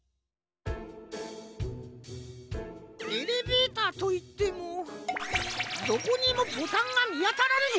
エレベーターといってもどこにもボタンがみあたらんぞ。